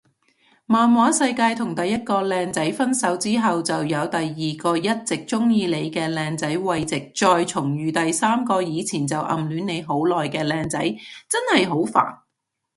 漫畫世界同第一個靚仔分手之後就有第二個一直鍾意你嘅靚仔慰藉再重遇第三個以前就暗戀你好耐嘅靚仔，真係好煩